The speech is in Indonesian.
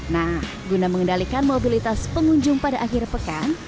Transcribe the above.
nah guna mengendalikan mobilitas pengunjung pada akhir pekan